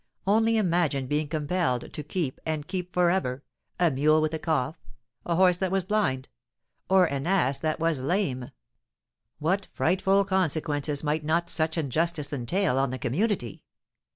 Only imagine being compelled to keep, and keep for ever, a mule with a cough, a horse that was blind, or an ass that was lame! What frightful consequences might not such injustice entail on the community!